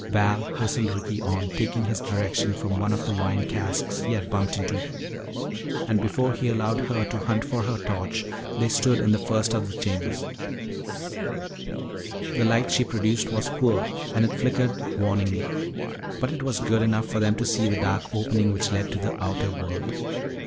Val hustled Ricky on, taking his direction from one of the wine casks he had bumped into. And before he allowed her to hunt for her torch they stood in the first of the chambers. The light she produced was poor and it flickered warningly. But it was good enough for them to see the dark opening which led to the outer world.